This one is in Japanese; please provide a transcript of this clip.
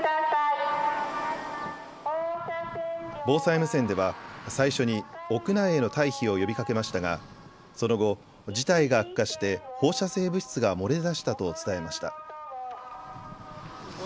防災無線では最初に屋内への退避を呼びかけましたがその後、事態が悪化して放射性物質が漏れ出したと伝えました。